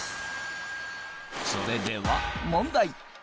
それでは問題